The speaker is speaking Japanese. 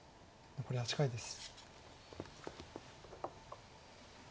残り８回です。